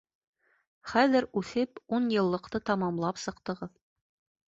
Хәҙер үҫеп, ун йыллыҡты тамамлап сыҡтығыҙ.